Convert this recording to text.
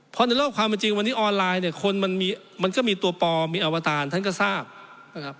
เพราะในเรื่องของความจริงวันนี้ออนไลน์เนี่ยคนมันมีมันก็มีตัวปลอมมีอวตารท่านก็ทราบนะครับ